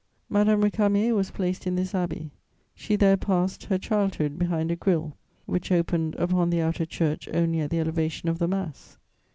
Madame Récamier was placed in this abbey; she there passed her childhood behind a grill which opened upon the outer church only at the elevation of the Mass.